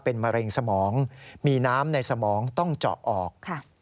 เป็นมะเร็งสมองมีน้ำในสมองต้องเจาะออก